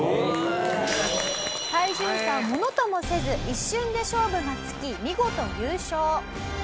体重差をものともせず一瞬で勝負がつき見事優勝。